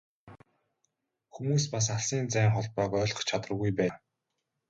Хүмүүс бас алсын зайн холбоог ойлгох чадваргүй байлаа.